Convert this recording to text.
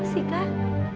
nama si kak